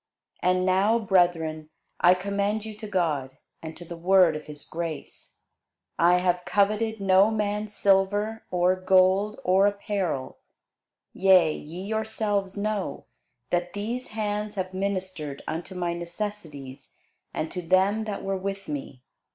And now, brethren, I commend you to God, and to the word of his grace. I have coveted no man's silver, or gold, or apparel. Yea, ye yourselves know, that these hands have ministered unto my necessities, and to them that were with me.